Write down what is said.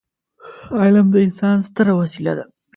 علم د انسان ستره وسيله ده.